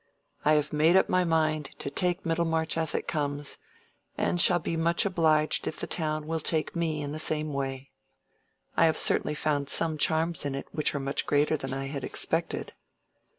I have made up my mind to take Middlemarch as it comes, and shall be much obliged if the town will take me in the same way. I have certainly found some charms in it which are much greater than I had expected."